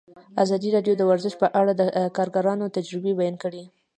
ازادي راډیو د ورزش په اړه د کارګرانو تجربې بیان کړي.